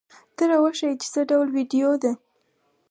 ته را وښیه چې څه ډول ویډیو ده؟